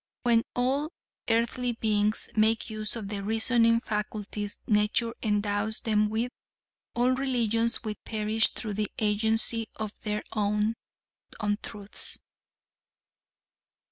"When all earthly beings make use of the reasoning faculties nature endows them with, all religions will perish through the agency of their own untruths."